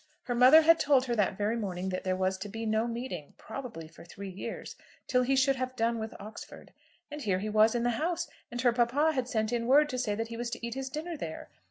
Her mother had told her that very morning that there was to be no meeting, probably for three years, till he should have done with Oxford. And here he was in the house, and her papa had sent in word to say that he was to eat his dinner there!